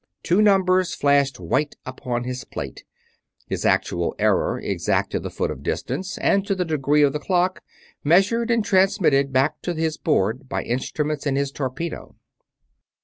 Two numbers flashed white upon his plate; his actual error, exact to the foot of distance and to the degree on the clock, measured and transmitted back to his board by instruments in his torpedo.